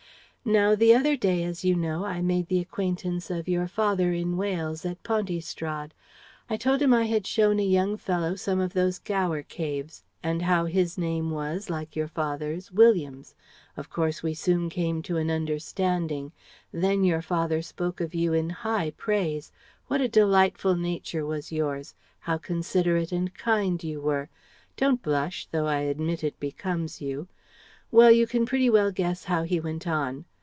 "Now the other day as you know I made the acquaintance of your father in Wales at Pontystrad. I told him I had shown a young fellow some of those Gower caves and how his name was like your father's, 'Williams.' Of course we soon came to an understanding. Then your father spoke of you in high praise. What a delightful nature was yours, how considerate and kind you were don't blush, though I admit it becomes you Well you can pretty well guess how he went on.